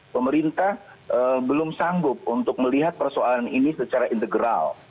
pemerintah belum sanggup untuk melihat persoalan ini secara integral